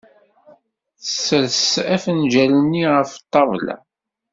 Tesres afenǧal-nni ɣef ṭṭabla.